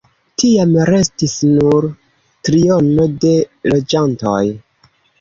Tiam restis nur triono de loĝantoj.